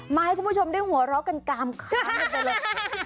มาให้คุณผู้ชมได้หัวเราะกันกามข้างไปเลย